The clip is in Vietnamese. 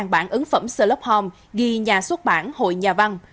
chín bảng ứng phẩm sherlock holmes ghi nhà xuất bản hội nhà văn